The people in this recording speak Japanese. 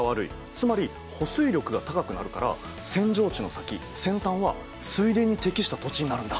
つまり保水力が高くなるから扇状地の先扇端は水田に適した土地になるんだ。